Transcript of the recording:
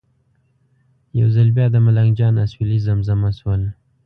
یو ځل بیا د ملنګ جان اسویلي زمزمه شول.